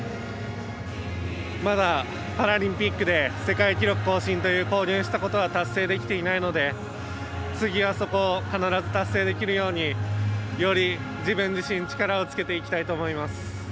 まだパラリンピックで世界記録更新という公言したことは達成できていないので次はそこを必ず達成できるようにより自分自身力をつけていきたいと思います。